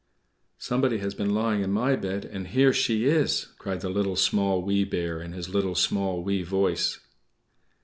"=Somebody has been lying in my bed and here she is!=" cried the Little, Small, Wee Bear, in his little, small, wee voice.